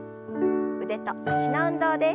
腕と脚の運動です。